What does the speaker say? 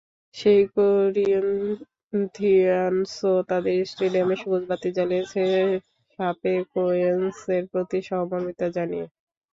সেই করিন্থিয়ানসও তাদের স্টেডিয়ামে সবুজ বাতি জ্বালিয়েছে শাপেকোয়েনসের প্রতি সহমর্মিতা জানিয়ে।